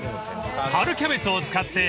［春キャベツを使って］